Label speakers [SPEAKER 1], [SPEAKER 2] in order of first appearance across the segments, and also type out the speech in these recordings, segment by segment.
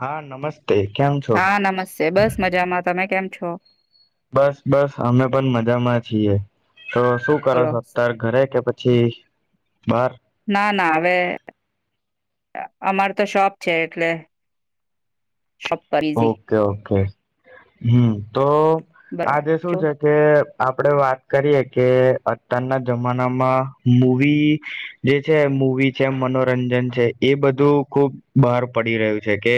[SPEAKER 1] હા નમસ
[SPEAKER 2] હા નમસ્તે બસ મજામાં તમે કેમ છો.
[SPEAKER 1] બસ બસ અમે પણ મજામાં છીએ. તો શું કરો
[SPEAKER 2] બોલો
[SPEAKER 1] છો અત્યારે ઘરે કે પછી બાર
[SPEAKER 2] ના ના હવે અમાર તો શોપ છે એટલે શોપ પર બીઝી
[SPEAKER 1] ઓકે ઓકે હમ તો આજે શું
[SPEAKER 2] બરોબર
[SPEAKER 1] છે કે આપડે વાત કરીએ કે અત્યારના જમાનામાં મૂવી જે છે મૂવી છે મનોરંજન છે એ બધું ખુબ બહાર પડી રહ્યું છે કે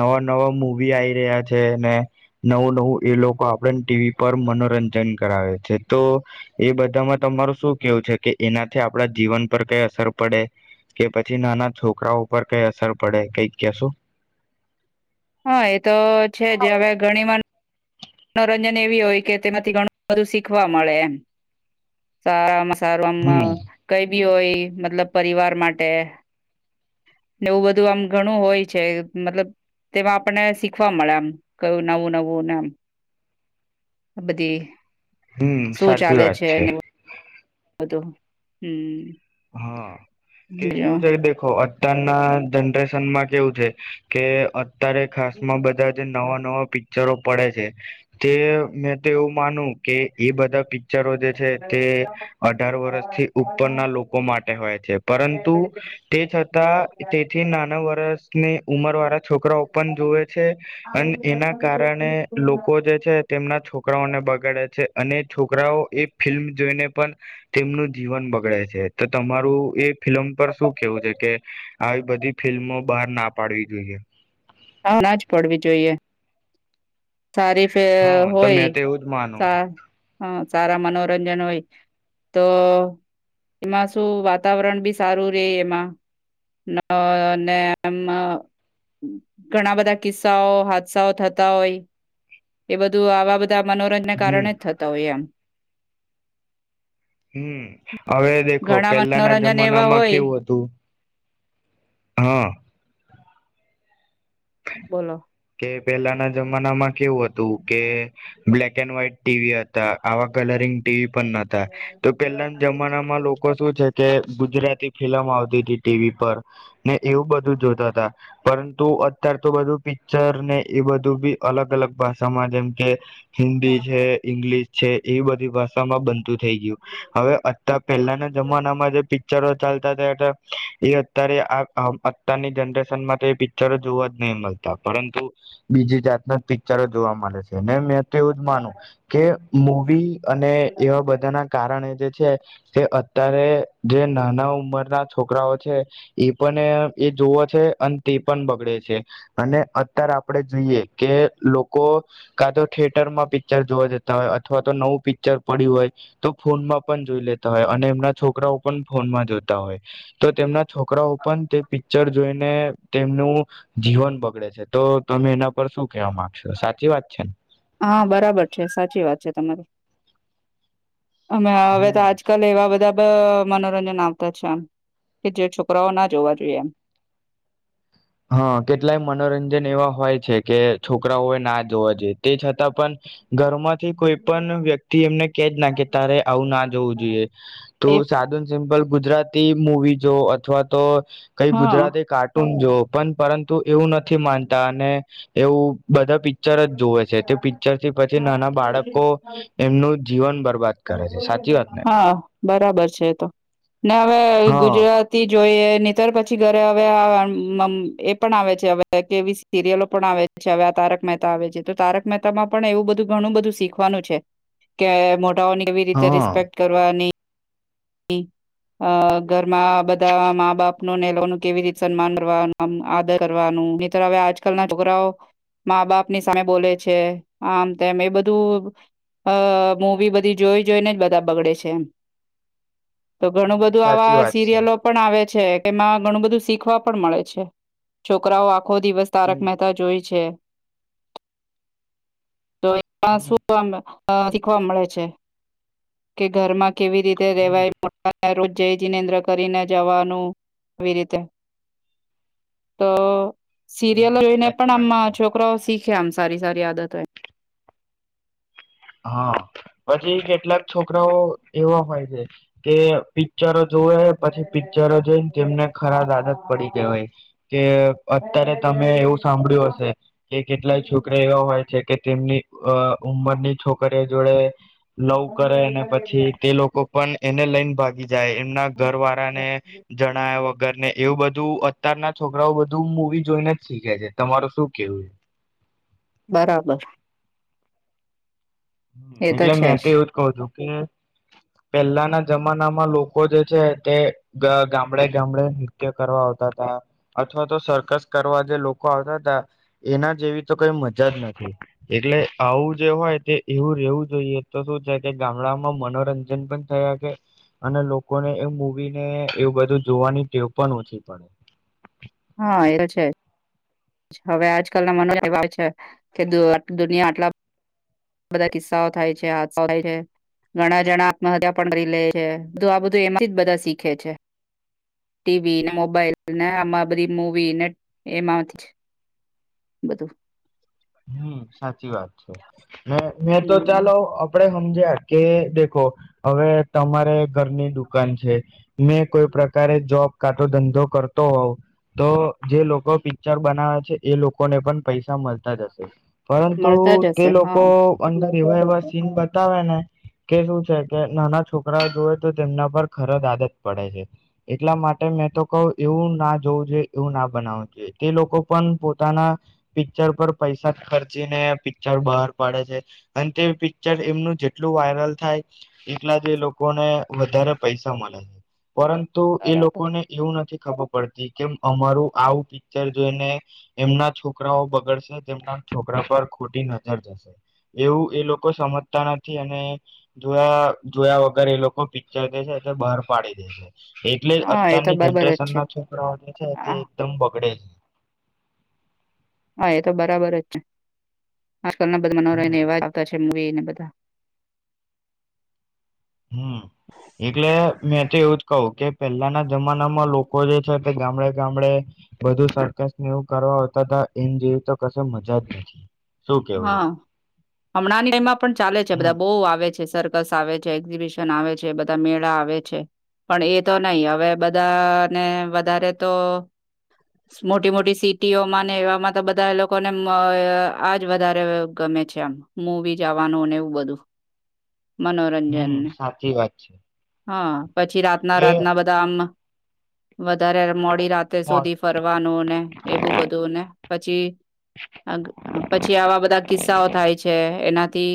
[SPEAKER 1] નવા નવા મુવ વી આઈ રહ્યા છે ને નવું નવું એ લોકો આપણે ટીવી પર મનોરંજન કરાવે છે તો એ બધામાં તમારું શું કેવું છે કે એનાથી આપણા જીવન પર કઈ અસર પડે કે પછી નાના છોકરાઓ પર કઈ અસર પડે કઈક કેશો.
[SPEAKER 2] હા એ તો છે જ હવે ઘણી વાર મનોરંજન એવી હોય કે તેમાંથી ઘણું બધું શીખવા મળે એમ સારા મા
[SPEAKER 1] હમ
[SPEAKER 2] સારુંમાં કઈ બી હોય મતલબ પરિવાર માટે એવું બધું આમ ઘણું હોય છે મતલબ તેમાં આપણને શીખવા મળે આમ કયું નવું નવુંને આમ બધી
[SPEAKER 1] હમ સાચી વાત છે.
[SPEAKER 2] હ તો હમ
[SPEAKER 1] હા કે શું
[SPEAKER 2] બીજું
[SPEAKER 1] છે દેખો અત્યારના જનરેશનમાં કેવું છે કે અત્યારે ખાસમાં બધા જ નવા નવા પિક્ચરો પડે છે તે મેં તો એવું માનું કે એ બધા પી ચરો જે છે તે
[SPEAKER 2] ના
[SPEAKER 1] અઢાર વર્ષથી ઉપરના લોક માટે હોય છે પરંતુ તે છતાં તેથી નાના વર્ષ થી ઉમર વારા જ છોકરાઓ પણ જુવે છે અને એના કારણે લોકો જે છે તેમના છોકરાઓને બગાડે છે અને છોકરાઓ એ ફિલ્મ જોઈને પણ તેમનું જીવન બગડે છે. તો તમારું એ ફિલ્મ પર શું કેવું છે કે આવી બધી ફિલ્મો બહારના પાડવી જોઈએ.
[SPEAKER 2] આ નાજ પડવી જોઈએ સારી
[SPEAKER 1] હા
[SPEAKER 2] ફિલ્મ
[SPEAKER 1] તો મેં તો એવું જ માનું
[SPEAKER 2] હોય હા સારા મનોરંજન હોય તો એમાં શું વાતાવરણ બી સારું રે એમાં અને એમ ઘણા બધા કિસ્સાઓ હાદસાઓ થતા હોય. એ બધું આવા બધું. બધા મનોરંજના
[SPEAKER 1] હમ
[SPEAKER 2] કારણે જ થતા હોય એમ
[SPEAKER 1] હમ હવે દેખો
[SPEAKER 2] ઘણા
[SPEAKER 1] પેલાના
[SPEAKER 2] મનોરંજન એવા
[SPEAKER 1] જમાનામાં
[SPEAKER 2] હોય
[SPEAKER 1] કેવું હતું. હા
[SPEAKER 2] બોલો.
[SPEAKER 1] પેલાના જમાનામાં કેવું હતું કે. બ્લેક એન્ડ વ્હાઈટ ટીવી હતા આવા કલરિંગ ટીવી પણ ન તો પેલાના જમાનામાં લોકો શું છે. કે ગુજરાત ફિલ્મ આવતી હતી ટીવી પર. ને એવું બધું જોતા હતાા પરંતુ અતાર તો બધું પિક્ચર ને એ બધું બી અલગ અલગ ભાષામાં જેમ કે. હિન્દી છે ઇંગ્લિશ છે એ બધી ભાષામાં થ ગયું હવે અત પહેલાના જમાનામાં જે પિક્ચરો ચાલ ચાલતા એતો એ અત્યારે આપ આમ અત્યારની જનરેશન પિક્ચરો જોુવા જ. નહી મળતા પરંતુ બીજી જાતના પિક્ચરો જોવા મળે છે ને મે એવું જ માનું કે. મૂવી અને એવા બધાના કારણે જે. છે તે અત્યારે જે નાના ઉંમર ના છોકરાઓ છે એ પણ એ જોવો છે અને તે પણ બગડે છે. અને અત્યારે આપડે જોઈએ કે લોકો કા તો થિયેટરમાં પિક્ચર જોવા જતા હોય અથવા તો નવું પિક્ચર પડ્યું હોય તો ફોનમાં પણ જોઈ લેતા હોય અને એમના છોકરાઓ પણ ફોનમાં જોતા હોય તો તેમના છોકરાઓ પણ તે પિક્ચર જોઈને તેમનું જીવન બગડે છે. તો તમે એના પર શું કેવા માંગશો સાચી વાત છે.
[SPEAKER 2] હા બરાબર છે સાચી વાત છે તમારી અમે હવે તો
[SPEAKER 1] હમ
[SPEAKER 2] આજકાલ એવા બધા મનોરંજન આવતા છે એમ કે જે છોકરાઓ ના જોવા જોઈએ.
[SPEAKER 1] હા કેટલાય મનોરંજન એવા હોય છે કે છોકરાઓએ ના જોવા જોઈએ તે છતાં પણ ઘરમાંથી કોઈ પણ વ્યક્તિ એમને કેજ ના કે તારે આવું ના જોવું જોઈએ
[SPEAKER 2] એ
[SPEAKER 1] તું સાધુન સિમ્પલ ગુજરાતી મુવી જો અથવા તો કઈ
[SPEAKER 2] હા
[SPEAKER 1] ગુજરાતી કાર્ટૂન જો પણ પરંતુ એવું નથી માનતા અને એવું બધા પિક્ચર જ જોવે છે તે પિક્ચર થી પછી નાના બાળકો એમનું જીવન બરબાદ કરે છે સાચી વાત ને
[SPEAKER 2] હા બરાબર છે એ તો ને વે
[SPEAKER 1] હા
[SPEAKER 2] ગુજરાતી જોઈએ નીતર પછી ઘરે હવે એ પણ આવે છે હવે કેવી સિરિયલો પણ આવે છે હવે આ તારક મહેતા આવે છે તો તારક મહેતામાં પણ એવું બધું ઘણું બધું શીખવાનું છે કે મો ટાની કેવી રીતે
[SPEAKER 1] હા
[SPEAKER 2] રિસ્પેક્ટ કરવાની અ ઘરમાં બધા મા બાપનું ને લોનું કેવી રીતે સન્માન કરવાનું આમ આદર કરવાનું મિત્ર હવે આજકાલ ના છોકરાઓ મા બાપની સામે બોલે છે આમ તેમ એ બધું મૂવી બધી જોઈ જોઈને જ બધા બગડે છે એમ. તો ઘણું
[SPEAKER 1] હમ
[SPEAKER 2] બધું
[SPEAKER 1] સાચી
[SPEAKER 2] આવા
[SPEAKER 1] વાત છે
[SPEAKER 2] સિરિયલો પણ આવે. છે એમાં ઘણું બધું શીખવા પણ મળે છે છોકરાઓ ખો દિવસ તારક
[SPEAKER 1] હમ
[SPEAKER 2] મહેતા જોઈ છે. [inaudible] તો એ પણ
[SPEAKER 1] હમ
[SPEAKER 2] શું અ શીખવા મળે છે કે ઘરમાં કેવી રી તે
[SPEAKER 1] હમ
[SPEAKER 2] રેવાય રોજ જય જિનેન્દ્ર કરીને જવાનું આવી રીતે. તો સિરિયલો
[SPEAKER 1] હમ
[SPEAKER 2] જોઈને
[SPEAKER 1] સાચી
[SPEAKER 2] પણ આમ
[SPEAKER 1] વાત છે
[SPEAKER 2] છોકરા શીખ ખે આમ સારી સારી આદતો
[SPEAKER 1] હા પછી કેટલાક છોકરાઓ એવા હોય છે કે પી ચરો જોવે પછી પીચરો જોઈને તેમને ખરા આદત પડી ગવાય કે અત્યારે તમે એવું સાંભળ્યું હશે કે કેટલાય છોકરા એવા હોય છે કે તેમની અ ઉમરની છોકરીઓ જોડે લવ કરે ને પછી તે લોકો પણ એને લઈન ભાગી જાય એમના ઘર વાળા ને જણાવ્યા ગર ને એવું બધું અત્યારના છોકરાઓ બધું મવી જોઈને જ શીખે છે તમારું શું કેવું
[SPEAKER 2] બરાબર.
[SPEAKER 1] એટલે મેં તો એવું જ કઉ છું કે પેલ્લાના જમાનામાં લોકો જે છે તે ગામડે ગામડે નૃત્ય કરવા આવતા હતા અથવા તો સરકસ કરવા જે લોકો આવતા હતા એના જેવી તો કઈ મજા જ નથી એટલે આવું જે હોય તે એવું રહેવું જોઈએ તો શું છે કે ગામડામાં મનોરંજન પણ થયા છે અને લોકોને એ મૂવી ને એવું બધું જોવાની ટેવ પણ ઓછી પડે.
[SPEAKER 2] હા એ છે હવે આજકાલ ના [unintelligible] એવા હોય છે કે આ દુનિયા આટલા બધા કિસ્સાઓ થાય છે હાત્સા થાય છે ઘણા જણા આત્મહત્યા પણ કરી લેય છે આ બધું એમાંથી બધા શીખે છે ટીવી ને મોબાઈલ ને આમાં બધી મુવી ને એમાંથી બધું.
[SPEAKER 1] હમ્મ. સાચી વાત છે. મે મેં તો
[SPEAKER 2] હમ.
[SPEAKER 1] ચાલો આપડે સમજ્યા કે દેખો હવે તમારે ઘરની દુકાન છે. મેં કોઈ પ્રકારે જોબ કા તો ધંધો કરતો હોવ તો જે લોકો પિક્ચર બનાવે છે એ લોકોને પણ પૈસા મળ તા જ હશે. પરંતુ
[SPEAKER 2] મળતા જ
[SPEAKER 1] તે
[SPEAKER 2] હશે
[SPEAKER 1] લોકો
[SPEAKER 2] હા
[SPEAKER 1] અંદર એવા એવા સીન બતાવે ને કે શું છે કે નાના છોકરા જોવે તો તેમના પર ખર જ આદત પડે છે એટલા માટે મેં તો કહ એવું ના જોવું જોઈએ એવું ના બનાવવું જોઈએ તે લોકો પણ પોતાના પિક્ચર પર પૈસા ખર્ચીને પિક્ચર બહાર પાડે છે અને તે પિક્ચર એમનું જેટલું વાયરલ થાય એટલા જ એ લોકોને વધારે પૈસા મળે છે. પરંતુ એ
[SPEAKER 2] બરાબર
[SPEAKER 1] લોકોને એવું નથી ખબર પડતી કેમ અમારું આવું પિક્ચર જોઈને એમના છોકરાઓ બગડશે. તેમના છોકરા પર ખોટી નજર જશે એવું એ લોકો સમજતા નથી અને જોયા જોયા વગર એ લોકો પિક્ચર દ છે બહાર પાડી દેશે. એટલે
[SPEAKER 2] હા એ તો
[SPEAKER 1] અત્યારની
[SPEAKER 2] બરાબર જ
[SPEAKER 1] જનરેશન
[SPEAKER 2] છે.
[SPEAKER 1] ના છોકરાઓ જે છે તે
[SPEAKER 2] હા
[SPEAKER 1] એકદમ બગડે છે
[SPEAKER 2] હા એ તો બરાબર જ છે. આજકાલના બધા મનો
[SPEAKER 1] હમ
[SPEAKER 2] ને એવા આવતા. એ ને બધા
[SPEAKER 1] હમ એટલે મેં તો એવું જ કવ કે પહેલાના જમાનામાં લોકો જે છે તે ગામડે ગામડે બધું સરકસ એવું કરવા આવતા હતા એમ જેવી તો ક મજા જ નથી. શું કેવું છે
[SPEAKER 2] હા હમણાંની ટાઈમમાં પણ ચાલે છે
[SPEAKER 1] હમ
[SPEAKER 2] બધા બહુ આવે છે સરકાર બસ આવે છે એક્ઝિબિશન આવે છે બધા મેળા આવે છે પણ એ તો નહી હવે બધાને વધારે તો મોટી મોટી સિટીઓમાં ને એવામાં તો બધા એ લોકોને આ જ વધારે ગમે છે આમ હું બી જવાનુંને એવું બધું.
[SPEAKER 1] હમ્મ
[SPEAKER 2] મનોરંજનને
[SPEAKER 1] સાચી વાત છે.
[SPEAKER 2] હા. પછી રાતના
[SPEAKER 1] એ
[SPEAKER 2] રાતના બધા આમ વધારે મોડી રાતે
[SPEAKER 1] મો
[SPEAKER 2] સુધી ફરવાનું ને એવું બધું ને પછી અ પછી આવા બધા કિસ્સાઓ થાય છે એનાથી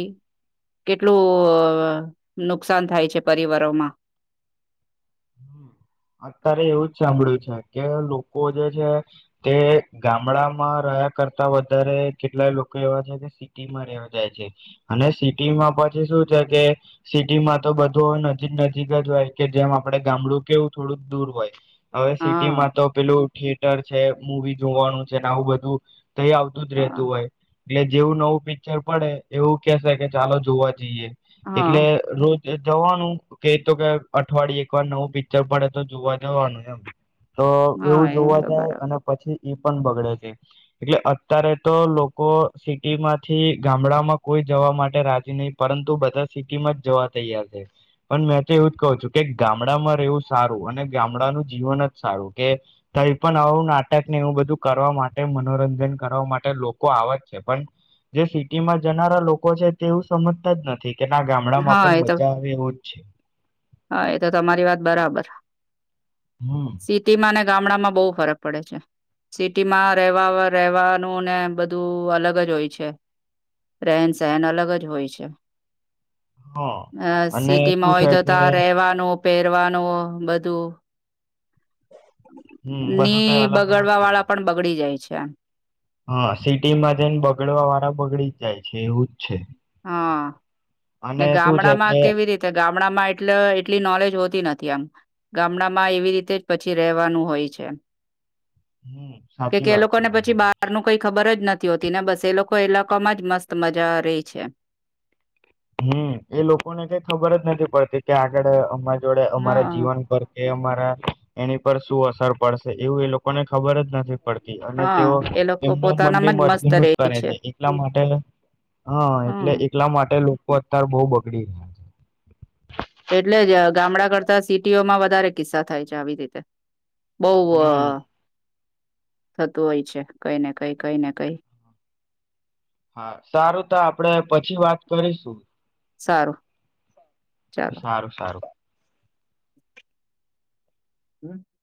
[SPEAKER 2] કેટલું નુકસાન થાય છે પરિવારોમાં
[SPEAKER 1] હ અત્યારે એવું જ છે સાંભળું કે લોકો જે છે તે ગામડામાં રહ્યા કરતા વધારે કેટલાય લોકો એવા છે કે સિટીમાં રવા જાય છે અને સિટીમાં પછી શું છે કે સિટીમાં તો બધું નજીક નજીક જ હોય કે જેમ આપડે ગામડું કેવું થોડું દૂર હોય. હવે સિટી
[SPEAKER 2] હા
[SPEAKER 1] માં તો પેલું થિયેટર છે મવી જોવાનું છે ને આવું બધું તઈ આવતું જ
[SPEAKER 2] હા
[SPEAKER 1] રહેતું હોય એટલે જેવું નવું પિક્ચર પડે એવું કેસે કે ચાલો જોવા જઈએ.
[SPEAKER 2] હા
[SPEAKER 1] એટલે રોજ એ દવાનું કે તો કે અઠવાડિયે ર નવું પિક્ચર પડે તો જોવા જવાનું એમ તો
[SPEAKER 2] હા
[SPEAKER 1] એવું
[SPEAKER 2] એ
[SPEAKER 1] જોવા
[SPEAKER 2] તો
[SPEAKER 1] જાય
[SPEAKER 2] બરાબર
[SPEAKER 1] અને પછી પણ બગડે છે એટલે અત્યારે તો લોકો સિટીમાંથી ગામડામાં કોઈ જવા માટે રાજી નહી પરંતુ બધા સિટી માં જ જવા તૈયાર છે પણ મેં તો એવું જ કહઉ છું કે ગામડામાં રહેવું સારું અને ગામડાનું જીવન જ સારું કે કઈ પણ આવું નાટક ને એવું બધું કરવા માટે મનોરંજન કરવા માટે લોકો આવે જ છે પણ જે સિટીમાં જનારા લોકો છે તેવું સમજતા જ નથી કે ના ગામડા માં
[SPEAKER 2] હા
[SPEAKER 1] પણ
[SPEAKER 2] એ તો
[SPEAKER 1] મજા આવે એવો જ છે
[SPEAKER 2] હા એ તો તમારી વાત બરાબર
[SPEAKER 1] હમ.
[SPEAKER 2] સિટી માને ગામડામાં બહુ ફરક પડે છે સિટીમાં રહેવા રહેવાનું ને બધું અલગ જ હોય છે રહેન સહેન અલગ જ હોય છે
[SPEAKER 1] હા
[SPEAKER 2] અ
[SPEAKER 1] અને
[SPEAKER 2] સિટીમાં
[SPEAKER 1] શું
[SPEAKER 2] હોય
[SPEAKER 1] છે
[SPEAKER 2] તો આ
[SPEAKER 1] કે
[SPEAKER 2] રહેવાનું પહેરવાનું બધું
[SPEAKER 1] હમ બધું તો
[SPEAKER 2] નઈ
[SPEAKER 1] અલગ અલગ
[SPEAKER 2] બગડવા
[SPEAKER 1] થઈ
[SPEAKER 2] વાળા
[SPEAKER 1] જાય.
[SPEAKER 2] પણ બગડી જાય છે એમ
[SPEAKER 1] હા સિટીમાં જેને બગડવા વાળા બગડી જ જાય છે એવું છે
[SPEAKER 2] હા ને
[SPEAKER 1] અને શું છે
[SPEAKER 2] ગામડામાં
[SPEAKER 1] કે
[SPEAKER 2] કેવી રીતે ગામડામાં એટલે એટલી નોલેજ હોતી નથી આમ ગામડામાં એવી રીતે જ પછી રવાનું હોય છે
[SPEAKER 1] હમ
[SPEAKER 2] કે
[SPEAKER 1] સાચી
[SPEAKER 2] કે એ
[SPEAKER 1] વાત છે
[SPEAKER 2] લોકોને પછી
[SPEAKER 1] તમારી.
[SPEAKER 2] બહાર ન કઈ ખબર જ નથી હોતી ને બસ એ લોકો એ લાકોમાં જ મસ્ત મજા રહી છે
[SPEAKER 1] હમ એ લોકોને કઈ ખબર જ નથી પડતી કે આગળ અમારી જોડે અમારા
[SPEAKER 2] હા
[SPEAKER 1] જીવન પર કે એની પર શું અસર પડશે એવું એ લોકોને ખબર જ નથી પડતી અને
[SPEAKER 2] હા
[SPEAKER 1] તેઓ
[SPEAKER 2] એ લોકો
[SPEAKER 1] તેમના મનની
[SPEAKER 2] પોતાનામાં જ મસ્ત
[SPEAKER 1] મરજી નુજ
[SPEAKER 2] રે
[SPEAKER 1] કરે છે એલા માટે હ એટલે
[SPEAKER 2] હમ
[SPEAKER 1] એટલા માટે અતાર બહુ બગડી રહ્યા છે
[SPEAKER 2] એટલે જ ગામડા કરતા સિટીઓમાં વધારે કિસ્સા થાય છે આવી રીતે બહુ હ
[SPEAKER 1] હમ
[SPEAKER 2] થતું હોય છે કઈ ને કઈ કઈ ને કઈ
[SPEAKER 1] હા સારું ત આપડે પછી વાત કરીશું
[SPEAKER 2] સારું ચાલો
[SPEAKER 1] સારું સારું
[SPEAKER 2] હમ